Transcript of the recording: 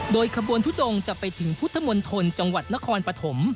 โดยขบวนทุดงจะไปถึงพุทธมณฑลจังหวัดนครปฐม